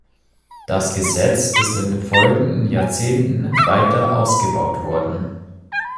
Das Gesetz ist in den folgenden Jahrzehnten weiter ausgebaut worden.